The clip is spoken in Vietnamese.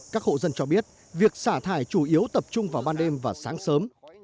các hộ dân cho biết việc xả thải chủ yếu tập trung vào ban đêm và sáng sớm